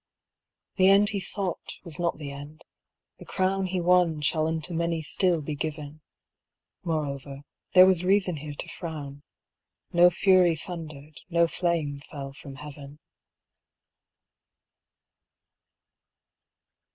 The end he sought was not the end; the crown He won shall unto many still be given. Moreover, there was reason here to frown: No fury thundered, no flame fell from heaven.